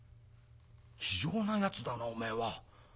気丈なやつだなおめえは」。